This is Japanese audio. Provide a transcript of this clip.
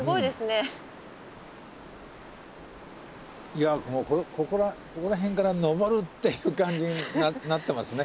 いやここら辺から「登る」っていう感じになってますね。